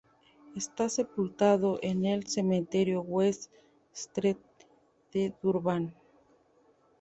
Está sepultado en el "Cementerio West Street de Durban".